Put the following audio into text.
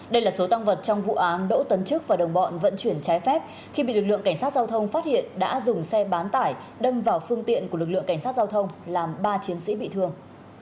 đây là số tăng vật trong vụ án đỗ tấn trức và đồng bọn vận chuyển trái phép khi bị lực lượng cảnh sát giao thông phát hiện đã dùng xe bán tải đâm vào phương tiện của lực lượng cảnh sát giao thông làm ba chiến sĩ bị thương